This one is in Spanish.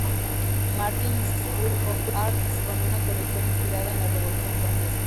Martin's School of Arts, con una colección inspirada en la Revolución francesa.